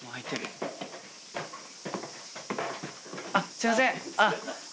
すいません。